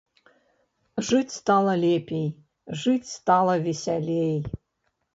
Жыць стала лепей, жыць стала весялей!